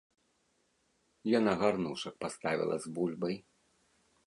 Яна гарнушак паставіла з бульбай.